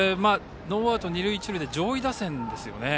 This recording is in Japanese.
ノーアウト、二塁一塁で上位打線ですよね。